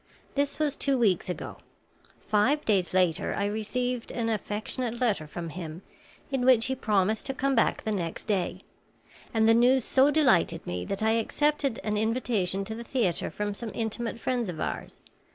This was two weeks ago. Five days later I received an affectionate letter from him, in which he promised to come back the next day; and the news so delighted me that I accepted an invitation to the theater from some intimate friends of ours.